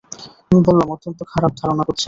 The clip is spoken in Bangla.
আমি বললাম, অত্যন্ত খারাপ ধারণা করছি।